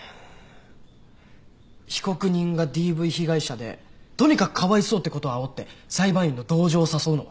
被告人がＤＶ被害者でとにかくかわいそうってことをあおって裁判員の同情を誘うのは？